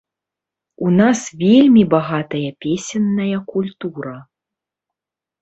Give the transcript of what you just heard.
У нас вельмі багатая песенная культура.